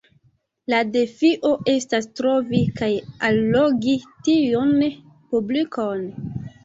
La defio estas trovi kaj allogi tiun publikon.